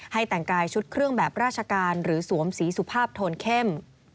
แต่งกายชุดเครื่องแบบราชการหรือสวมสีสุภาพโทนเข้ม